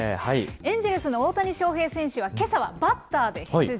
エンジェルスの大谷翔平選手は、けさはバッターで出場。